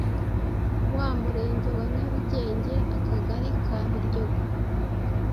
mu murenge wa Nyarugenge akagari ka Biryogo